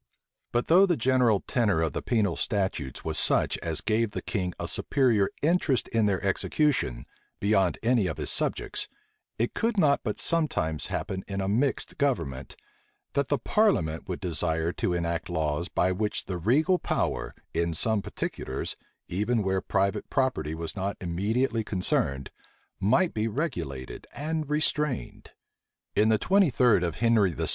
But though the general tenor of the penal statutes was such as gave the king a superior interest in their execution, beyond any of his subjects, it could not but sometimes happen in a mixed government, that the parliament would desire to enact laws by which the regal power, in some particulars, even where private property was not immediately concerned, might be regulated and restrained. In the twenty third of Henry VI.